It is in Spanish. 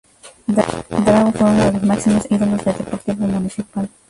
Drago fue uno de los máximos ídolos de Deportivo Municipal.